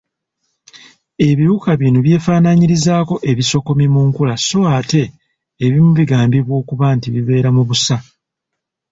Ebiwuka bino byefaananyirizaako ebisokomi mu nkula so ate ebimu bigambibwa okuba nti bibeera mu busa.